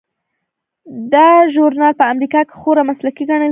دا ژورنال په امریکا کې خورا مسلکي ګڼل کیږي.